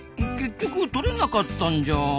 結局撮れなかったんじゃ。